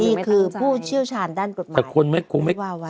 นี่คือผู้เชี่ยวชาญด้านกฎหมาย